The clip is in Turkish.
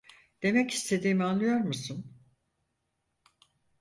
Demek istediğimi anlıyor musun?